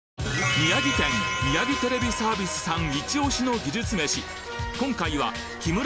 宮城県ミヤギテレビサービスさんイチ押しの技術めし